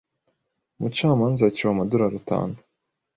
Umucamanza yaciwe amadorari atanu.